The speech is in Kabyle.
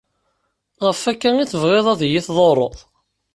Ɣef akka i tebɣiḍ ad yi-tḍurreḍ?